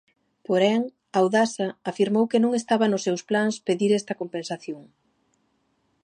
Porén, Audasa afirmou que non estaba nos seus plans pedir esta compensación.